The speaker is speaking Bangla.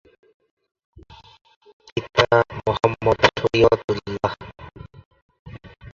পিতা মোহাম্মদ শরিয়তুল্লাহ।